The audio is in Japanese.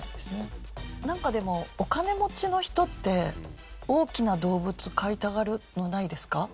なんかでもお金持ちの人って大きな動物飼いたがるのないですか？